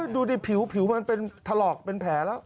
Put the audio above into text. ดูดิผิวมันเป็นถลอกเป็นแผลแล้ว